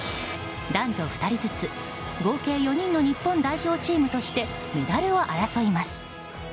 男女２人ずつ合計４人の日本代表チームとしてメダルを争います。